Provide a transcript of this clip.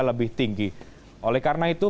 lebih tinggi oleh karena itu